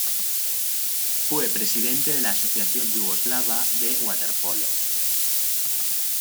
Fue presidente de la Asociación yugoslava de waterpolo.